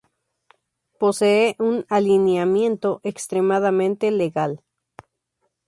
Posee un alineamiento extremadamente legal.